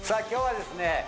今日はですね